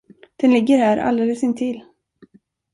Den ligger här alldeles intill.